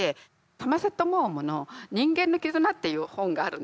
サマセット・モームの「人間の絆」っていう本があるんです。